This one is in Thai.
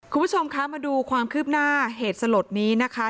คุณผู้ชมคะมาดูความคืบหน้าเหตุสลดนี้นะคะ